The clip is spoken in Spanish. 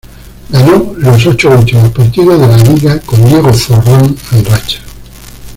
Ganó los ocho últimos partidos de la Liga, con Diego Forlán en racha.